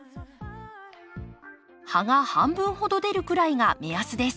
葉が半分ほど出るくらいが目安です。